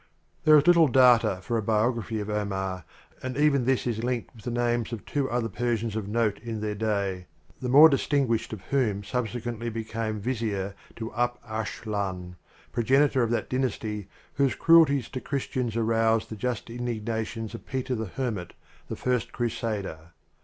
There is little data for a biography of Omar, arid even this is linked with the names of two other Persians of note in their day, the more distin guished of whom subsequently became Vizyr to Alp Arslan, progenitor of that dynasty whose cruelties to Christians aroused the just indigna tion of Peter the Hermit, the first crusader.